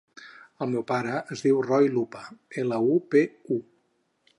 El meu pare es diu Roi Lupu: ela, u, pe, u.